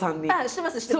してます。